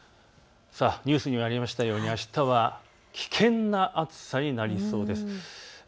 ニュースにもありましたようにあしたは危険な暑さになりそうです。